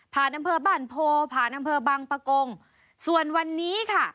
อำเภอบ้านโพผ่านอำเภอบังปะกงส่วนวันนี้ค่ะ